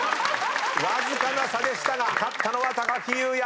わずかな差でしたが勝ったのは木雄也！